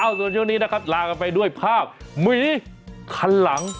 ส่วนช่วงนี้นะครับลากันไปด้วยภาพหมีคันหลัง